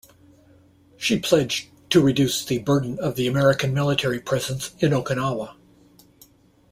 She pledged to reduce the burden of the American military presence in Okinawa.